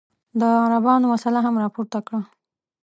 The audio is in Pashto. ده د عربانو مسله هم راپورته کړه.